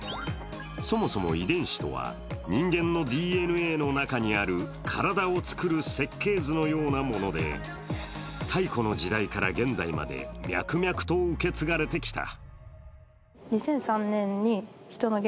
そもそも遺伝子とは、人間のＤＮＡの中にある体を作る設計図のようなのもので、太古の時代から現代まで脈々と受け継がれてきた。